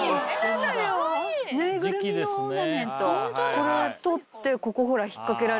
これを取ってここほら。